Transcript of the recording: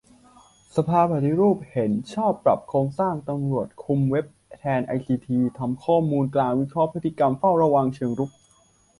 สภาปฏิรูปเห็นชอบปรับโครงสร้างตำรวจคุมเว็บแทนไอซีที ทำข้อมูลกลางวิเคราะห์พฤติกรรมเฝ้าระวังเชิงรุก